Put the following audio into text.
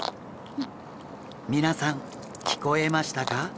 皆さん聞こえましたか？